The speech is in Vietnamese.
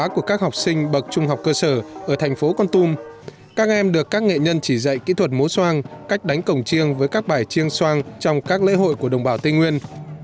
các em được các nghệ nhân chỉ dạy kỹ thuật mố xoang cách đánh cổng chiêng với các bài chiêng xoang trong các lễ hội của đồng bào tây nguyên